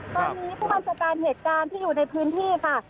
ตอนนี้ผู้บัญชาการเหตุการณ์ที่อยู่ในพื้นที่ค่ะ